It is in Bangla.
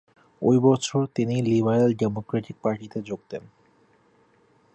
ঐ বছর তিনি লিবারেল ডেমোক্র্যাটিক পার্টিতে যোগ দেন।